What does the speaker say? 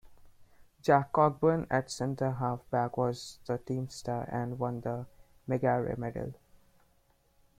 Jack Cockburn at centre half-back was the team's star and won the Magarey Medal.